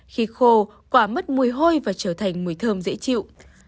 khi khô quả mất mùi hôi và trở thành mùi thơm dễ chịu